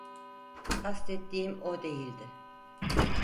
Kastettiğim o değildi.